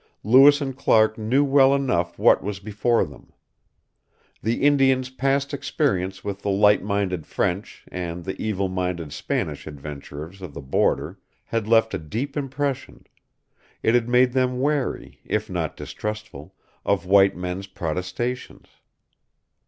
Lewis and Clark knew well enough what was before them. The Indians' past experience with the light minded French and the evil minded Spanish adventurers of the border had left a deep impression; it had made them wary, if not distrustful, of white men's protestations.